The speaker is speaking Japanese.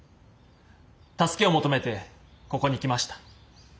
助けを求めてここに来ました。